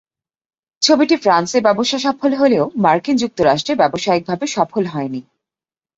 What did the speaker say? ছবিটি ফ্রান্সে ব্যবসাসফল হলেও মার্কিন যুক্তরাষ্ট্রে ব্যবসায়িকভাবে সফল হয়নি।